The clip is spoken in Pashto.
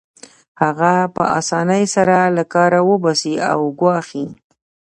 هغه په اسانۍ سره له کاره وباسي او ګواښي